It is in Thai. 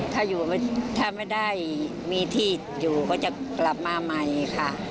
ถ้าไม่ได้มีที่อยู่ก็จะกลับมาใหม่ค่ะ